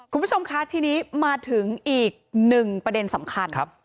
คุณผู้ชมคะทีนี้มาถึงอีกหนึ่งประเด็นสำคัญ